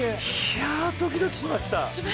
いや、ドキドキしました。